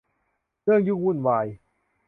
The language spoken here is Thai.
เรื่องยุ่งวุ่นวาย